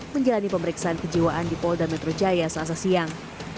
menjalani pemeriksaan kejiwaan di polda metro jaya selasa siang